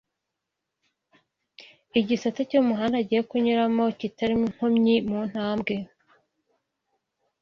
igisate cy'umuhanda agiye kunyuramo kitarimo inkomyi mu ntambwe